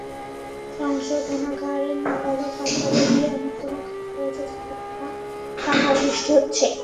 সংশোধনাগারের নাবালক বাচ্চাদের দিয়ে এমন কোনো কাজ করছে যার দ্বারা টাকার বৃষ্টি হচ্ছে।